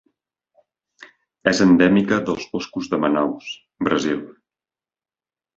És endèmica dels boscos de Manaus, Brasil.